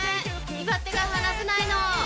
今手が離せないの。